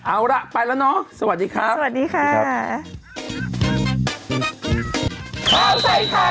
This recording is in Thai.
เอาล่ะไปแล้วนะสวัสดีครับ